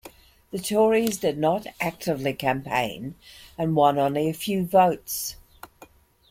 The Tories did not actively campaign and won only a few votes.